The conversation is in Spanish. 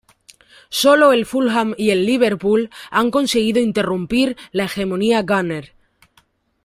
Sólo el Fulham y el Liverpool han conseguido interrumpir la hegemonía gunner.